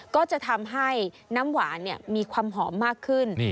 ก็จะทำให้น้ำหวานมีความหอมมากขึ้น